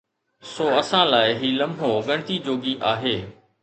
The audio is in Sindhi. سو اسان لاءِ هي لمحو ڳڻتي جوڳي آهي.